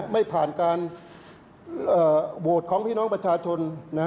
ไม่ผ่านการโหวตของพี่น้องประชาชน